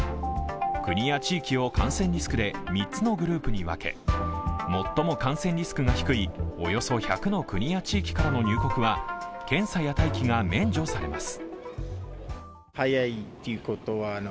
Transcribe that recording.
国や地域を感染リスクで３つのグループに分け、最も感染リスクが低いおよそ１００の国や地域からの入国は検査や待機が免除されます。